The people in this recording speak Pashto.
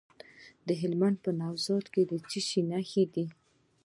د هلمند په نوزاد کې د څه شي نښې دي؟